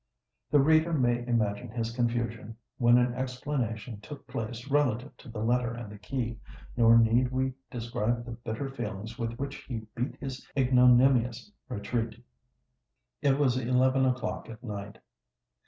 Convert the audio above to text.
The reader may imagine his confusion, when an explanation took place relative to the letter and the key; nor need we describe the bitter feelings with which he beat his ignominious retreat. It was eleven o'clock at night.